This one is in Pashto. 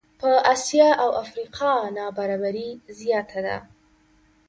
په آسیا او افریقا نابرابري زیاته ده.